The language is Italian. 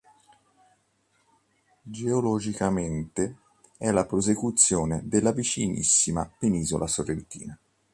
Geologicamente, è la prosecuzione della vicinissima penisola sorrentina.